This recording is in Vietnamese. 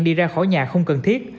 đi ra khỏi nhà không cần thiết